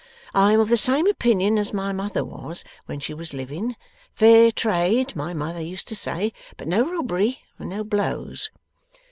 I am of the same opinion as my mother was, when she was living. Fair trade, my mother used to say, but no robbery and no blows.